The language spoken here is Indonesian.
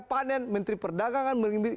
panen menteri perdagangan